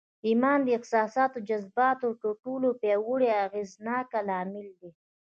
ايمان د احساساتو او جذباتو تر ټولو پياوړی او اغېزناک لامل دی.